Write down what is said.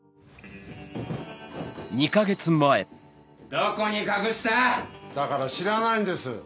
どこに隠した⁉だから知らないんです。